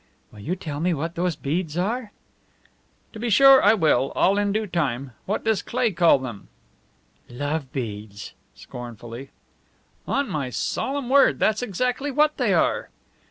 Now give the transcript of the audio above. "Will you tell me what those beads are?" "To be sure I will all in due time. What does Cleigh call them?" "Love beads!" scornfully. "On my solemn word, that's exactly what they are."